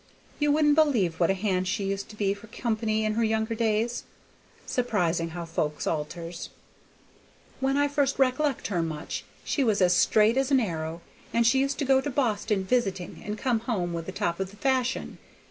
You wouldn't believe what a hand she used to be for company in her younger days. Surprisin' how folks alters. When I first rec'lect her much she was as straight as an arrow, and she used to go to Boston visiting and come home with the top of the fashion.